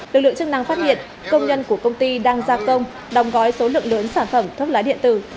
lực lượng chức năng phát hiện công nhân của công ty đang gia công đóng gói số lượng lớn sản phẩm thuốc lá điện tử